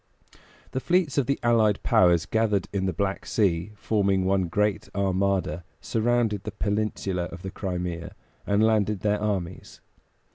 The fleets of the allied powers gathered in the Black Sea, forming one great armada; surrounded the peninsula of the Crimea, and landed their armies.